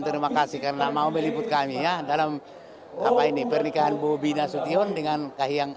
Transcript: terima kasih karena mau meliput kami ya dalam apa ini pernikahan bobi nasution dengan kahiyang